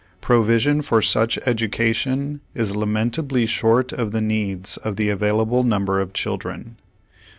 Provision for such education is lamentably short of the needs of the available number of children.